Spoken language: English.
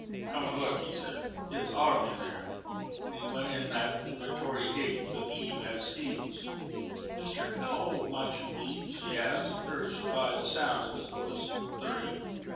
"Come and look," he said. "It's autumn in there," and he went in at the Victoria gate, with Eve at his heels. "Mister, how old might you be?" she asked, encouraged by the sound of his voice. "Thirty."